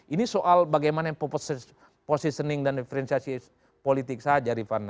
ini soal bagaimana positioning dan diferensiasi politik saja rifana